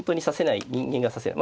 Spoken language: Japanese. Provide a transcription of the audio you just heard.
人間が指せない。